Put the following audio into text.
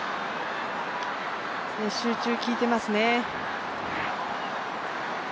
集中効いてますね。